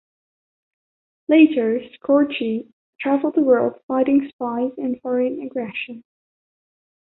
Later, Scorchy traveled the world fighting spies and foreign aggression.